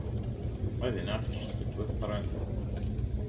Ad iniɣ kečč seg Ustṛalya.